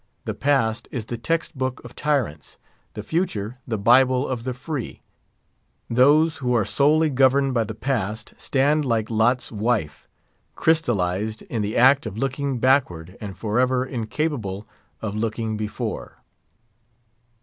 The Past is the text book of tyrants; the Future the Bible of the Free. Those who are solely governed by the Past stand like Lot's wife, crystallised in the act of looking backward, and forever incapable of looking before.